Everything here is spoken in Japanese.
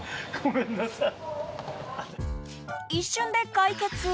一瞬で解決。